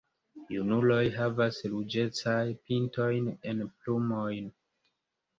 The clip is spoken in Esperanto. Junuloj havas ruĝecajn pintojn en plumoj.